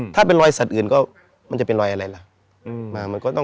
ถ้าเป็นรอยสัตว์อื่นก็มันจะเป็นรอยอะไรล่ะ